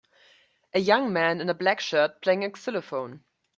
A young man in a black shirt playing a xylophone.